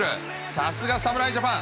さすが侍ジャパン。